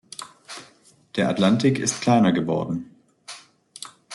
Der Atlantik ist kleiner geworden.